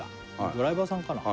ドライバーさんかな？